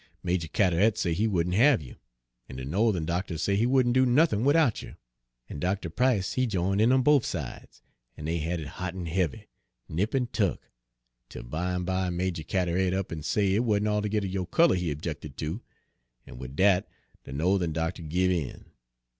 Majah Ca'te'et say he wouldn' have you, an' de No'then doctuh say he wouldn't do nothin' widout you, an' Doctuh Price he j'ined in on bofe sides, an' dey had it hot an' heavy, nip an' tuck, till bimeby Majah Ca'te'et up an' say it wa'n't altogether yo' color he objected to, an' wid dat de No'then doctuh give in.